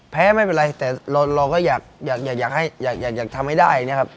แพ้ไม่เป็นไรแต่เราก็อยากทำให้ได้